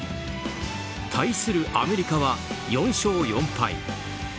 対するアメリカは４勝４敗。